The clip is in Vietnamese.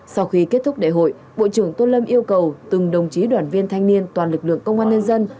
sau khi kết thúc đại hội bộ trưởng tôn lâm yêu cầu từng đồng chí đoàn viên thanh niên toàn lực lượng công an nhân dân